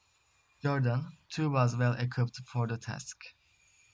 Jordan, too was well equipped for the task.